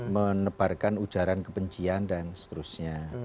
menebarkan ujaran kebencian dan seterusnya